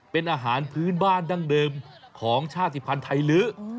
เป็นอาหารพื้นบ้านดั้งเดิมของชาติภัณฑ์ไทยลื้อ